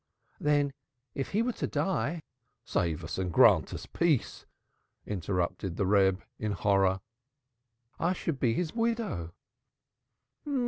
"Then if he were to die " "Save us and grant us peace," interrupted the Reb in horror. "I should be his widow."